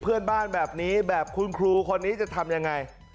เพื่อนบ้านแบบนี้แบบคุณครูคนนี้จะทำยังไง